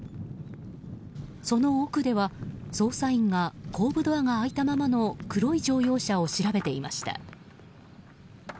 その奥では、捜査員が後部ドアが開いたままの黒い乗用車を調べていました。